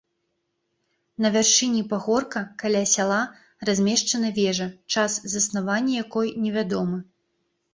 На вяршыні пагорка, каля сяла размешчана вежа, час заснавання якой невядомы.